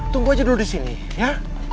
tunggu aja dulu di sini ya